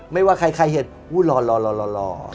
ไม่ว่าใครเห็นรอ